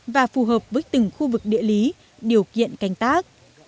và phù hợp với từng khu vực địa lý điều kiện canh tác